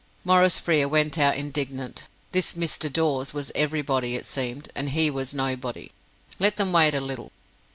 Maurice Frere went out indignant. This "Mr." Dawes was everybody, it seemed, and he was nobody. Let them wait a little.